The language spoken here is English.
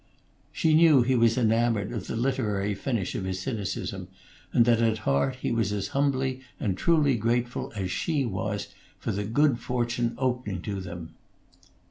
She knew he was enamoured of the literary finish of his cynicism, and that at heart he was as humbly and truly grateful as she was for the good fortune opening to them.